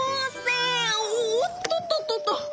おおっとっとっと。